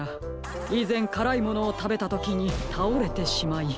いぜん辛いものをたべたときにたおれてしまい。